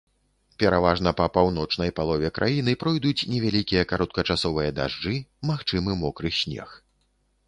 Пераважна па паўночнай палове краіны пройдуць невялікія кароткачасовыя дажджы, магчымы мокры снег.